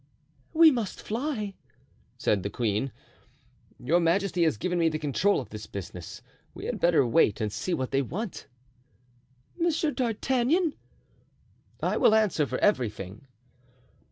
"We must fly," said the queen. "Your majesty has given me the control of this business; we had better wait and see what they want." "Monsieur d'Artagnan!" "I will answer for everything."